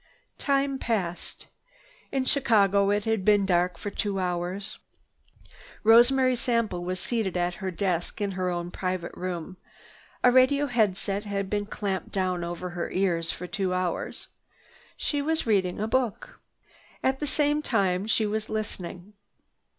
Time passed. In Chicago it had been dark for two hours. Rosemary Sample was seated at her desk in her own private room. A radio head set had been clamped down over her ears for two hours. She was reading a book. At the same time she was listening.